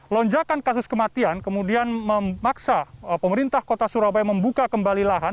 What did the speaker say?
lonjakan kasus kematian kemudian memaksa pemerintah kota surabaya membuka kembali lahan